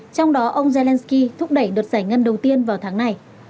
trong đó ông zelensky thúc đẩy đợt giải ngân đầu tiên vào tháng này